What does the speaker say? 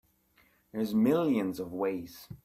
There's millions of ways.